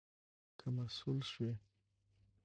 که مسؤول شوې